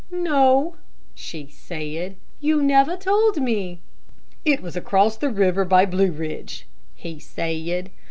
"No," she said; "you never told me." "It was across the river by Blue Ridge," he said.